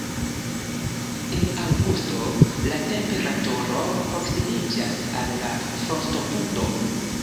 En aŭgusto la temperaturo proksimiĝas al la frostopunkto.